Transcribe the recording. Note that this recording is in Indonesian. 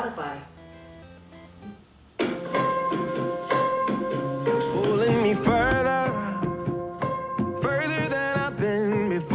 maaf saya belum tahu bagaimana membantu